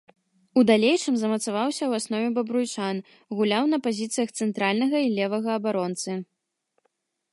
У далейшым замацаваўся ў аснове бабруйчан, гуляў на пазіцыях цэнтральнага і левага абаронцы.